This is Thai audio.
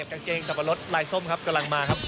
กางเกงสับปะรดลายส้มครับกำลังมาครับ